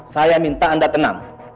saya minta anda tenang